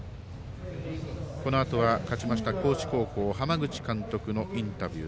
このあとは、勝ちました高知高校浜口監督のインタビュー。